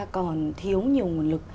còn thiếu nhiều nguồn lực